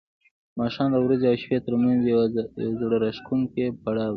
ماښام د ورځې او شپې ترمنځ یو زړه راښکونکی پړاو دی.